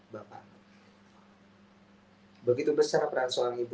begitu besar peran soal ibu